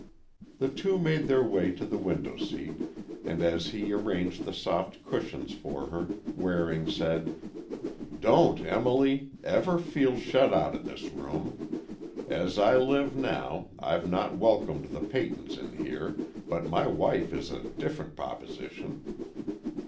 The two made their way to the window seat, and as he arranged the soft cushions for her, Waring said, "Don't, Emily, ever feel shut out of this room. As I live now, I've not welcomed the Peytons in here, but my wife is a different proposition."